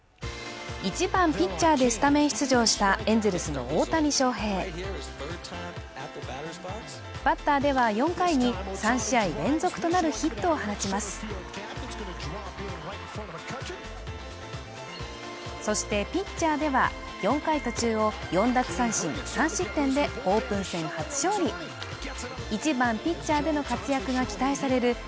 １番ピッチャーでスタメン出場したエンゼルスの大谷翔平バッターでは４回に３試合連続となるヒットを放ちますそしてピッチャーでは４回途中を４奪三振３失点でオープン戦初勝利１番ピッチャーでの活躍が期待される